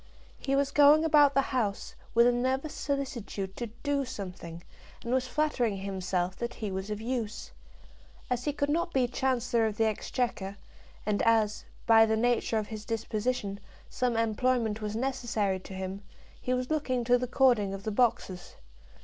He was going about the house, with a nervous solicitude to do something, and was flattering himself that he was of use. As he could not be Chancellor of the Exchequer, and as, by the nature of his disposition, some employment was necessary to him, he was looking to the cording of the boxes.